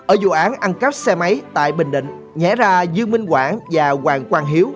ở vụ án ăn cắp xe máy tại bình định nhẹ ra dương minh quảng và hoàng quang hiếu